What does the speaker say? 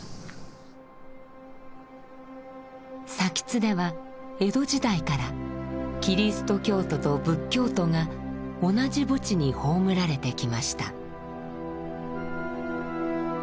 津では江戸時代からキリスト教徒と仏教徒が同じ墓地に葬られてきました。